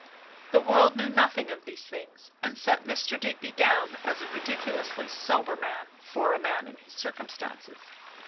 The world knew nothing of these things, and set Mr. Digby down as a ridiculously sober man, for a man in his circumstances.